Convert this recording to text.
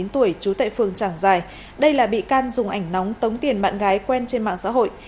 một mươi chín tuổi chú tại phường tràng giài đây là bị can dùng ảnh nóng tống tiền bạn gái quen trên mạng xã hội